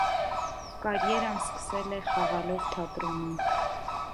Կարիերան սկսել է խաղալով թատրոնում։